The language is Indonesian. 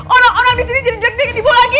orang orang di sini jadi jelek jelek yang dibawa lagi